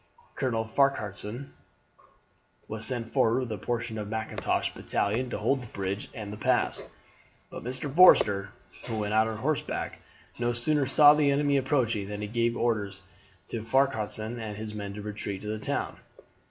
Colonel Farquharson was sent forward with a portion of Mackintosh's battalion to hold the bridge and the pass; but Mr. Forster, who went out on horseback, no sooner saw the enemy approaching than he gave orders to Farquharson and his men to retreat to the town.